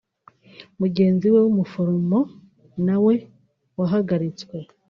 Mugenzi we w’umuforomo nawe wahagaritswe